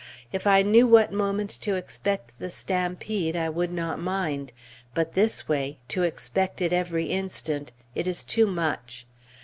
If I knew what moment to expect the stampede, I would not mind; but this way to expect it every instant it is too much!